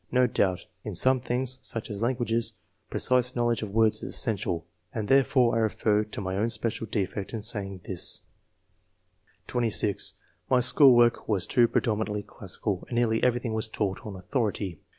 No doubt, in some things, such as languages, pre cise knowledge of words is essential, and there fore I refer to my own special defect in saying this/' (26) *^ My school work was too predominantly classical, and nearly everjiihing was taught on authority.